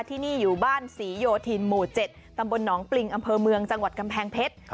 ที่นี่อยู่บ้านศรีโยธินหมู่๗ตำบลหนองปริงอำเภอเมืองจังหวัดกำแพงเพชร